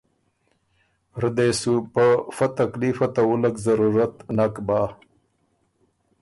ره دې سُو په فۀ تکلیفه ته وُلّک ضرورت نک بۀ۔